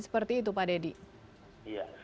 seperti itu pak dedy